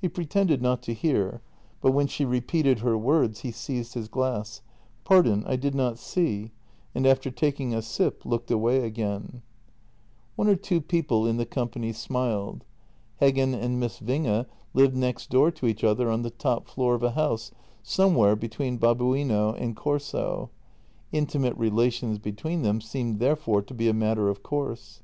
He pretended not to hear, but when she repeated her words he seized his glass: "Pardon — I did not see" — and, after taking a sip, looked away again. JENNY 258 One or two people in the company smiled. Heggen and Miss Winge lived next door to each other on the top floor of a house somewhere between Babuino and Corso; intimate rela tions between them seemed therefore to be a matter of course.